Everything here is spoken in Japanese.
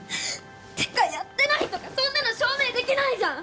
てかやってないとかそんなの証明できないじゃん！